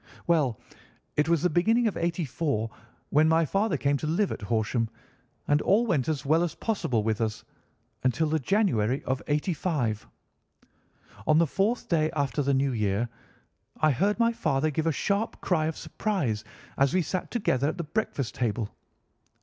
"Well, it was the beginning of '84 when my father came to live at Horsham, and all went as well as possible with us until the January of '85. On the fourth day after the new year I heard my father give a sharp cry of surprise as we sat together at the breakfast table.